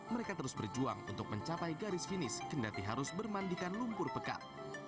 mereka terus berjuang untuk mencapai garis finish kendati harus bermandikan lumpur pekat